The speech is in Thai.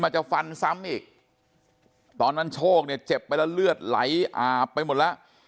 จะฟันซ้ำอีกตอนนั้นโชคเนี่ยเจ็บไปแล้วเลือดไหลอาบไปหมดแล้ว